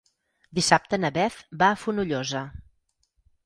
Dissabte na Beth va a Fonollosa.